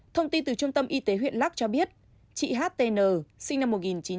thông tin từ trung tâm y tế huyện lắc cho biết chị htn sinh năm một nghìn chín trăm tám mươi